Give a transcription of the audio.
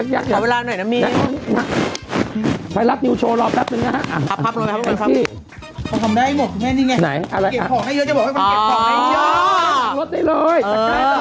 อ๋อจัดการรถได้เลยจัดการรถได้เลย